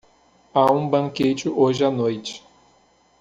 Há um banquete hoje à noite